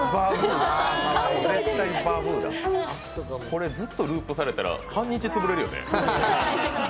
これ、ずっとループされたら半日つぶれるよね。